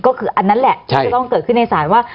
ก็คืออันนั้นแหละที่จะต้องเกิดขึ้นในศาลว่า